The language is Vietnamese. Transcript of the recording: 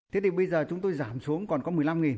thế thì bây giờ chúng tôi giảm xuống còn có một mươi năm